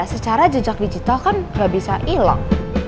secara jejak digital kan gak bisa ilang